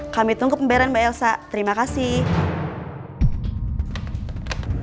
kami tunggu pemberian mba elsa terima kasih